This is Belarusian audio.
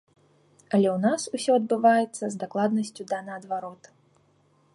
Але ў нас усё адбываецца з дакладнасцю да наадварот.